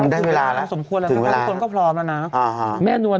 ได้เวลาแล้วถึงเวลาแล้วถึงเวลาแล้วคุณพร้อมแล้วนะครับถึงเวลาแล้วถึงเวลาแล้วคุณพร้อมแล้ว